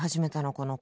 この子。